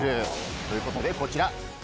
ということでこちら。